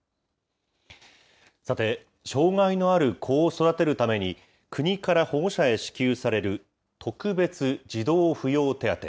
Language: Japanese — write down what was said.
さて、障害のある子を育てるために、国から保護者へ支給される特別児童扶養手当。